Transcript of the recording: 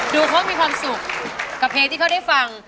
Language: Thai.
ดูเขามีความสุขกับเพลงที่เขาได้ฟัง